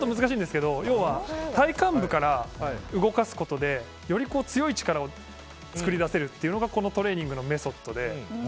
体幹部から動かすことでより強い力を作り出せるというのがこのトレーニングのメソッドで。